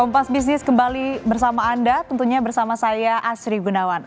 kompas bisnis kembali bersama anda tentunya bersama saya asri gunawan